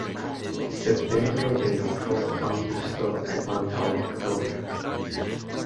Septembro venas post aŭgusto kaj antaŭ oktobro.